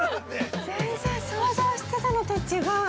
全然想像してたのと違う。